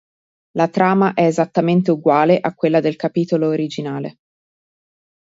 La trama è esattamente uguale a quella del capitolo originale.